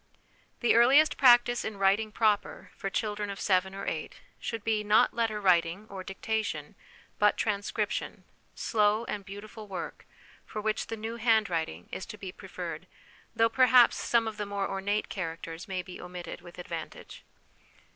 The earliest practice in writing proper for children of seven or eight should be, not letter writing or dictation, but transcription, slow and beautiful work, for which the New Hand writing is to be preferred, though perhaps some of the more ornate characters may be omitted with advantage.